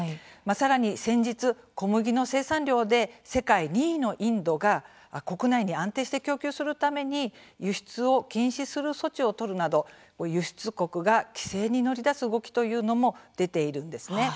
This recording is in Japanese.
さらに先日小麦の生産量で世界２位のインドが国内に安定して供給するために輸出を禁止する措置を取るなど輸出国が規制に乗り出す動きというのも出ているんですね。